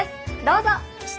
どうぞ！